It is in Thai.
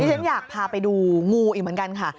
ฉันอยากพาไปดูงูอีกเหมือนกันค่ะ